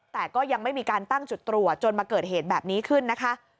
แต่ก็ยังไม่มีการตั้งจุดตรวจจนมาเกิดเหตุแบบนี้ขึ้นนะคะ